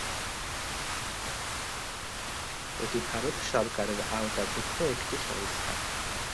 এটা ভারত সরকারের আওতাভুক্ত একটি সংস্থা।